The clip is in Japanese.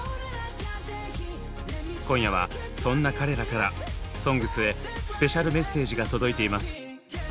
今夜はそんな彼らから「ＳＯＮＧＳ」へスペシャルメッセージが届いています。